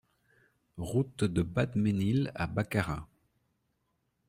Route de Badménil à Baccarat